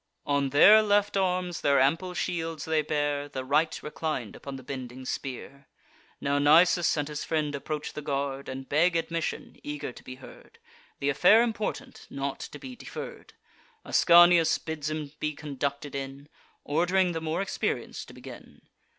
On their left arms their ample shields they bear, The right reclin'd upon the bending spear. Now Nisus and his friend approach the guard, And beg admission, eager to be heard: Th' affair important, not to be deferr'd. Ascanius bids 'em be conducted in, Ord'ring the more experienc'd to begin.